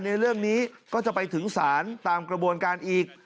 ในเรื่องนี้ก็จะไปถึงศาลตามกระบวนการอีก